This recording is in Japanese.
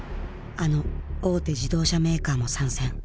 あの大手自動車メーカーも参戦。